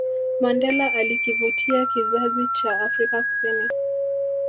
Mandela alikivutia kizazicha Afrika Kusini